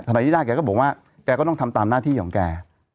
นายนิด้าแกก็บอกว่าแกก็ต้องทำตามหน้าที่ของแก